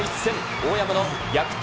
大山の逆転